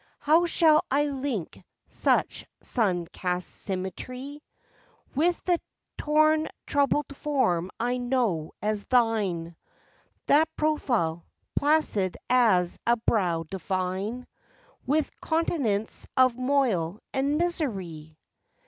How shall I link such sun cast symmetry With the torn troubled form I know as thine, That profile, placid as a brow divine, With continents of moil and misery?